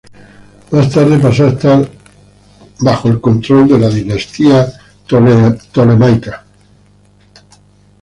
Más tarde pasó a estar bajo control del dinastía Ptolemaica.